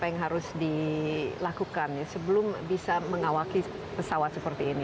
apa yang harus dilakukan sebelum bisa mengawaki pesawat seperti ini